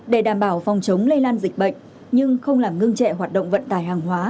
để đảm bảo phòng chống lây lan dịch bệnh nhưng không làm ngưng trệ hoạt động vận tải hàng hóa